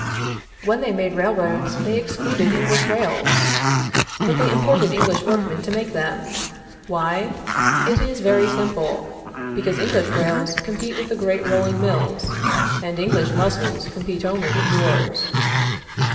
When they made railroads they excluded English rails, but they imported English workmen to make them. Why? It is very simple; because English rails compete with the great rolling mills, and English muscles compete only with yours.